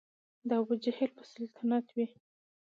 د ابوجهل به سلطنت وي